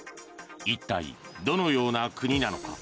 一体どのような国なのか。